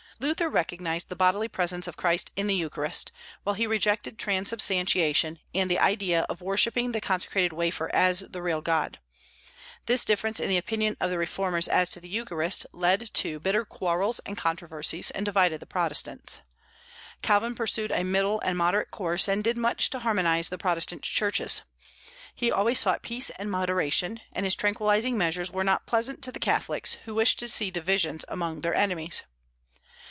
Luther recognized the bodily presence of Christ in the Eucharist, while he rejected transubstantiation and the idea of worshipping the consecrated wafer as the real God. This difference in the opinion of the reformers as to the Eucharist led to bitter quarrels and controversies, and divided the Protestants. Calvin pursued a middle and moderate course, and did much to harmonize the Protestant churches. He always sought peace and moderation; and his tranquillizing measures were not pleasant to the Catholics, who wished to see divisions among their enemies.